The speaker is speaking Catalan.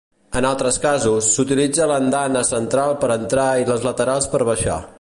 En altres casos, s'utilitza l'andana central per entrar i les laterals per baixar.